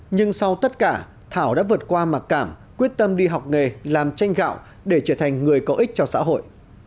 nhưng sau tất cả thảo đã vượt qua mặc cảm quyết tâm đi học nghề làm tranh gạo để trở thành người có ích cho xã hội